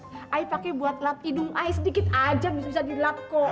saya pake buat lap hidung saya sedikit aja bisa dilakuk